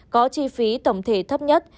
có chi phí tổng thể thấp nhất